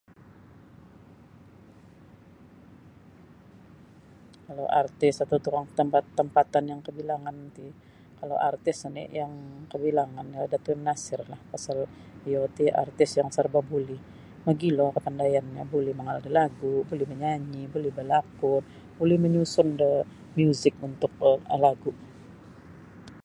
Kalau artis atau tukang tampat tempatan yang kabilangan ti kalau artis oni yang kabilanganlah Datuk M Nasir lah pasal iyo ti artis yang serba buli mogilo kapandayannyo buli mangaal da lagu buli manyanyi buli balakun buli menyusun da miuzik untuk um lagu.